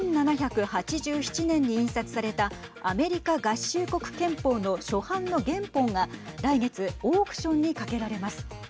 １７８７年に印刷されたアメリカ合衆国憲法の初版の原本が来月オークションにかけられます。